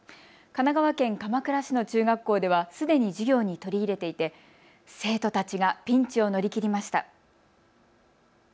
神奈川県鎌倉市の中学校ではすでに授業に取り入れていて生徒たちがピンチを乗り切りました。